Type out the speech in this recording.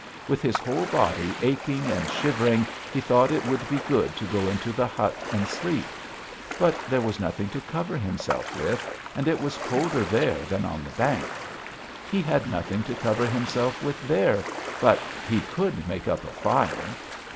With his whole body aching and shivering he thought it would be good to go into the hut and sleep; but there was nothing to cover himself with, and it was colder there than on the bank. He had nothing to cover himself with there, but he could make up a fire....